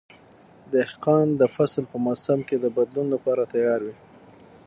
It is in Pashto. دهقان د فصل په موسم کې د بدلون لپاره تیار وي.